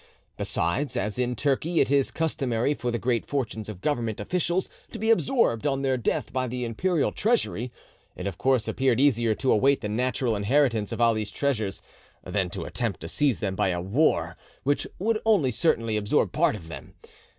Besides, as in Turkey it is customary for the great fortunes of Government officials to be absorbed on their death by the Imperial Treasury, it of course appeared easier to await the natural inheritance of Ali's treasures than to attempt to seize them by a war which would certainly absorb part of them.